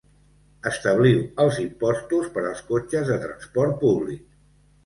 Establiu els impostos per als cotxes de transport públic.